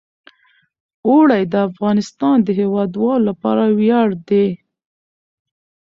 اوړي د افغانستان د هیوادوالو لپاره ویاړ دی.